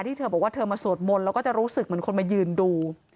เธอบอกว่าเธอมาสวดมนต์แล้วก็จะรู้สึกเหมือนคนมายืนดู